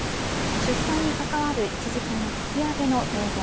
出産に関わる一時金の引き上げの提言